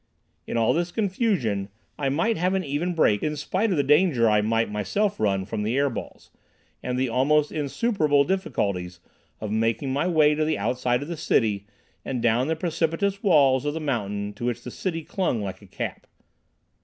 In all this confusion I might have an even break, in spite of the danger I might myself run from the air balls, and the almost insuperable difficulties of making my way to the outside of the city and down the precipitous walls of the mountain to which the city clung like a cap.